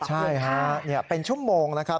ใช่ฮะเป็นชั่วโมงนะครับ